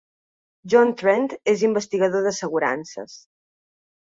John Trent és investigador d'assegurances.